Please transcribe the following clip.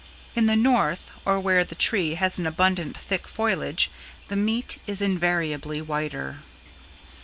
In the North or where the tree has an abundant thick foliage the meat is invariably whiter.